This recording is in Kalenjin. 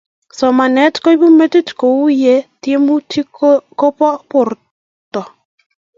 somanet kobo metit kou ya tyemutik kobo borto